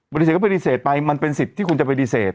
ปฏิเสธก็ปฏิเสธไปมันเป็นสิทธิ์ที่คุณจะปฏิเสธ